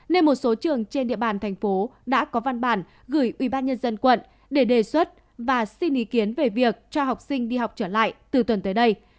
nên một số trường trên địa bàn tp đã có văn bản gửi ủy ban nhân dân quận để đề xuất và xin ý kiến về việc cho học sinh đi học trở lại từ tuần tới đây